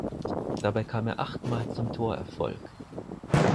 Dabei kam er achtmal zum Torerfolg.